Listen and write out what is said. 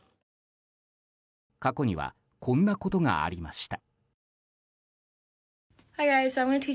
過去にはこんなことがありました。